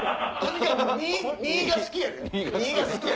２が好きやねん！